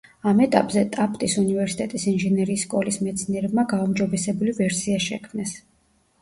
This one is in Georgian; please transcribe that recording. ამ ეტაპზე, ტაფტის უნივერსიტეტის ინჟინერიის სკოლის მეცნიერებმა გაუმჯობესებული ვერსია შექმნეს.